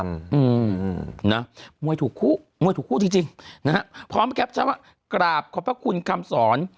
มวยถูกคู่มวยถูกคู่จริงนะฮะพร้อมครับชาวคราบขอบคุณคำสอน